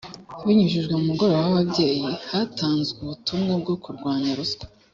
binyujijwe mu mugoroba w ababyeyi hatanzwe ubutumwa bwo kurwanya ruswa